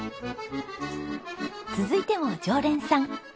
続いても常連さん。